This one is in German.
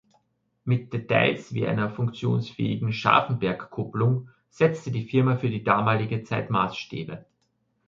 Mit Details wie einer funktionsfähigen Scharfenbergkupplung setzte die Firma für die damalige Zeit Maßstäbe.